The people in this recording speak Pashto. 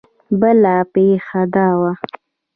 بله پېښه دا وه.